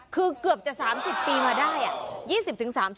คือเกือบจะ๓๐ปีมาได้